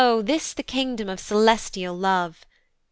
this the kingdom of celestial love!